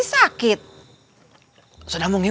sakit oh tentu tidak